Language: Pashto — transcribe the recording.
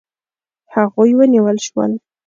هغوی ونیول شول.